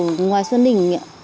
của ngoài xuân đỉnh